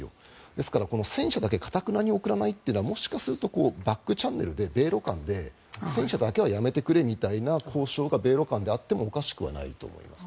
ですから、戦車だけ頑なに送らないというのはもしかするとバックチャンネルで米ロ間で戦車だけはやめてくれみたいな交渉が米ロ間であってもおかしくないと思います。